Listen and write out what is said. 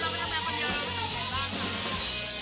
แล้วเราไปทำงานคนเดียวเรารู้สึกไงบ้างครับ